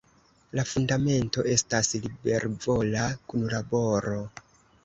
La fundamento estas libervola kunlaboro.